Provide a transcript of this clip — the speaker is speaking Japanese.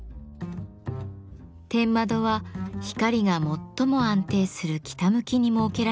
天窓は光が最も安定する北向きに設けられています。